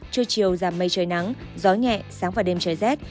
trưa chiều giảm mây trời nắng gió nhẹ sáng và đêm trời rét